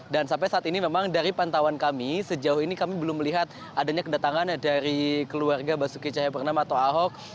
dan sampai saat ini memang dari pantauan kami sejauh ini kami belum melihat adanya kedatangan dari keluarga basuki cahayapurnama atau ahok